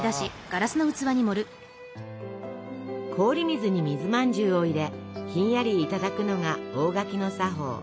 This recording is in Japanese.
氷水に水まんじゅうを入れひんやりいただくのが大垣の作法。